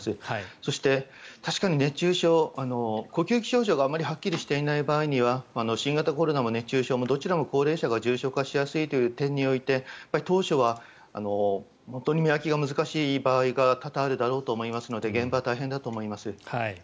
そして、確かに熱中症呼吸器症状があまりはっきりしていない場合には新型コロナも熱中症もどちらも高齢者が重症化しやすいという点において当初は本当に見分けが難しい場合が多々あるだろうと思いますので現場は大変だろうと思います。